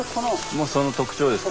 もうその特徴ですか？